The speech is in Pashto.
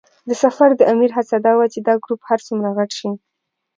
د سفر د امیر هڅه دا وه چې دا ګروپ هر څومره غټ شي.